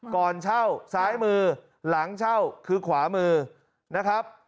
ก่อนเช่าซ้ายมือหลังเช่าคือขวามือนะครับ